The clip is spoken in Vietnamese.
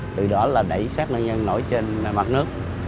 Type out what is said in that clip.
từ đó là đẩy sát nạn nhân nổi trên mặt nước